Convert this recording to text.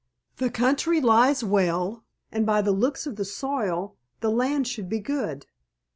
The country lies well, and by the looks of the soil the land should be good.